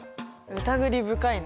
疑り深いね。